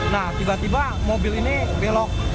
nah tiba tiba mobil ini belok